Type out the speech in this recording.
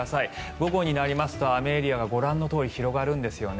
午後になりますと雨エリアがご覧のとおり広がるんですよね。